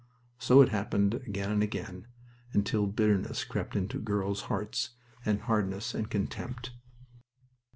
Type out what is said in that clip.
So it happened again and again, until bitterness crept into girls' hearts, and hardness and contempt.